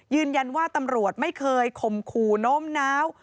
ยืนยันว่าตำรวจไม่เคยข่มขู่โน้มน้าว